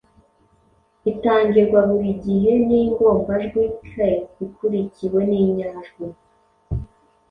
Itangirwa buri gihe n’ingombajwi «k» ikurikiwe n’inyajwi